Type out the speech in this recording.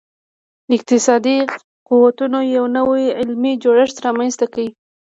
اقتصادي قوتونو یو نوی علمي جوړښت رامنځته کړي.